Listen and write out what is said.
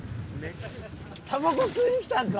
たばこ吸いに来たんか？